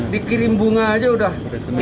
dikirim bunga aja udah